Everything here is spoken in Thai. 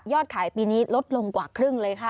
ขายปีนี้ลดลงกว่าครึ่งเลยค่ะ